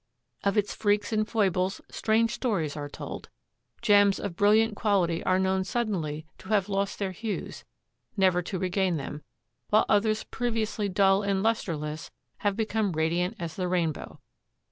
Of its freaks and foibles strange stories are told. Gems of brilliant quality are known suddenly to have lost their hues never to regain them, while others previously dull and lusterless have become radiant as the rainbow.